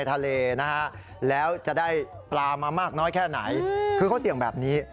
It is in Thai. เขาเสี่ยงแบบนี้